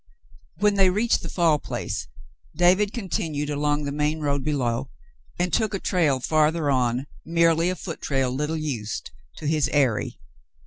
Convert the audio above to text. When they reached the Fall Place, David continued along the main road below and took a trail farther on, merely a foot trail little used, to his eyrie.